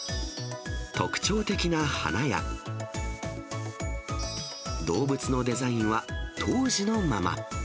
特徴的な花や、動物のデザインは当時のまま。